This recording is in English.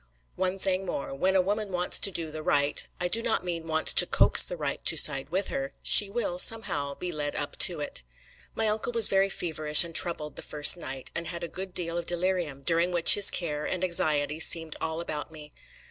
One thing more: when a woman wants to do the right I do not mean, wants to coax the right to side with her she will, somehow, be led up to it. My uncle was very feverish and troubled the first night, and had a good deal of delirium, during which his care and anxiety seemed all about me.